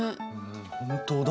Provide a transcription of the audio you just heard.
本当だ。